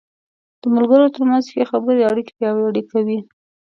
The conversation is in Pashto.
د ملګرو تر منځ ښه خبرې اړیکې پیاوړې کوي.